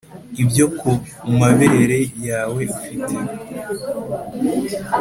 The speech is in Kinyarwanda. ibyo kumabere yawe ufite ta'en.